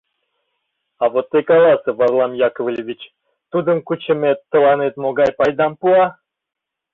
А вот тый каласе, Варлам Яковлевич, тудым кучымет тыланет могай пайдам пуа?